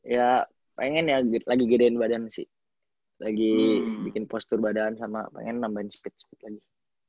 ya pengen ya lagi gedein badan sih lagi bikin postur badan sama pengen nambahin speed speed lagi